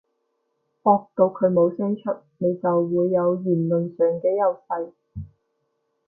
駁到佢冇聲出，你就會有言論上嘅優勢